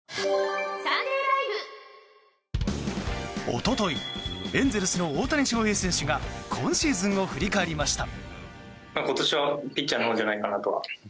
一昨日、エンゼルスの大谷翔平選手が今シーズンを振り返りました。